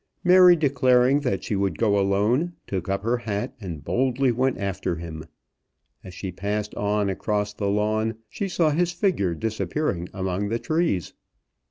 Mary, declaring that she would go alone, took up her hat and boldly went after him. As she passed on, across the lawn, she saw his figure disappearing among the trees.